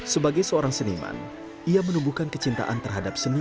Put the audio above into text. sebagai seorang seniman ia menumbuhkan kecintaan terhadap seni